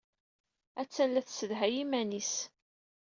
Ha-tt-an la tessedhay iman-is.